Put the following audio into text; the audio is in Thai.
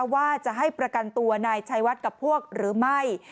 ว่าจะให้ประกันตัวนายชัยวัดกับพวกหรือไม่